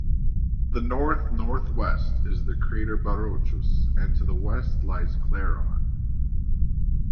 To the north-northwest is the crater Barocius, and to the west lies Clairaut.